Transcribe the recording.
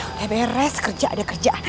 udah beres kerja udah kerja